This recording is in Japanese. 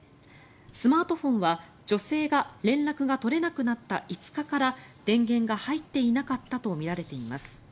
スマートフォンは、女性が連絡が取れなくなった５日から電源が入っていなかったとみられています。